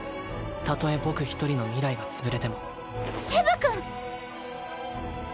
たとえ僕一人の未来がつぶれてもセブ君！